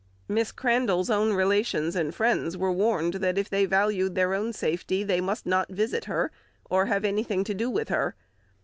Miss Crandall's own relations and friends were warned that if they valued their own safety they must not visit her or have anything to do with her.